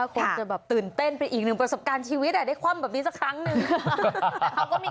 คงจะแบบตื่นเต้นไปอีกหนึ่งประสบการณ์ชีวิตได้คว่ำแบบนี้สักครั้งหนึ่ง